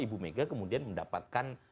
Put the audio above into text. ibu mega kemudian mendapatkan